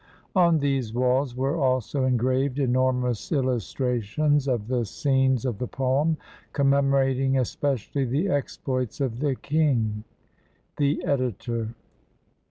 On these walls were also engraved enormous illustrations of the scenes of the poem, commemorating especially the exploits of the king. The Editor.